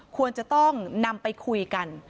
ควรจะต้องนำไปคุยกัน